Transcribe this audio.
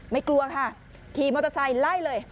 กลัวค่ะขี่มอเตอร์ไซค์ไล่เลย